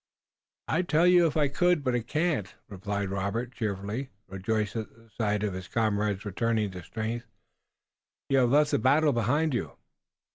"I'd tell you if I could, but I can't," replied Robert, cheerfully, rejoiced at the sight of his comrade's returning strength. "You have left the battle behind you?"